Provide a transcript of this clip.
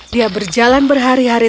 dia berjalan berhari hari